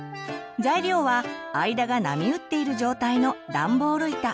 材料は間が波打っている状態のダンボール板。